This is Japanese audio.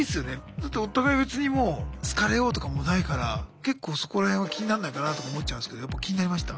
だってお互い別にもう好かれようとかもないから結構そこら辺は気になんないかなとか思っちゃうんですけどやっぱ気になりました？